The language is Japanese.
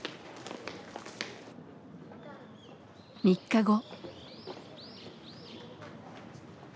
３日後。